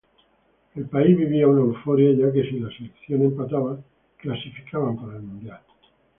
El país vivía una euforia ya que si la selección empataba clasificaba al Mundial.